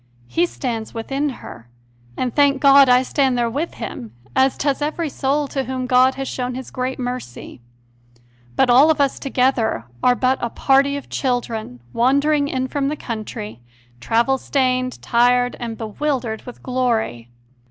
He stands within her, and, thank God, I stand there with him, as does every soul to whom God has shown this great mercy. But all of us together are but a party of children wandering in from the country, travel stained, tired, and bewildered with glory.